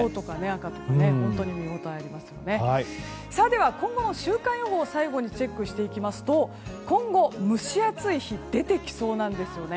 では今後の週間予報を最後にチェックしていきますと今後、蒸し暑い日が出てきそうなんです。